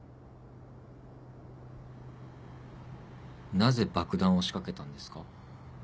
なぜ爆弾を仕掛けたんですか？